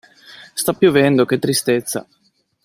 Sta piovendo, che tristezza!